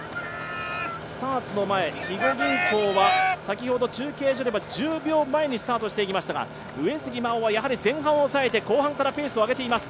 スターツの前、肥後銀行は先ほど中継所では１０秒前にスタートしてきましたが、上杉真穂はやはり前半を押さえて後半からペースを上げていきます。